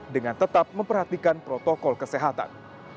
dengan tetap memperhatikan protokol kesehatan